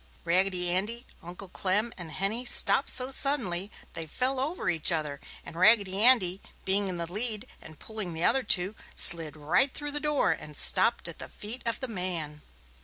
Raggedy Andy, Uncle Clem and Henny stopped so suddenly they fell over each other and Raggedy Andy, being in the lead and pulling the other two, slid right through the door and stopped at the feet of the man.